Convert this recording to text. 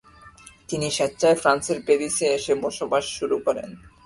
তিনি স্বেচ্ছায় ফ্রান্সের প্যারিসে এসে বসবাস শুরু করেন।